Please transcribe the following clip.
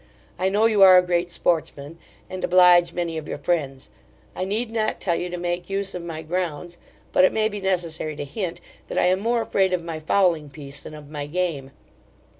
I know you are a great sportsman, and oblige many of your friends: I need not tell you to make use of my grounds; but it may be necessary to hint, that I am more afraid of my fowling piece than of my game.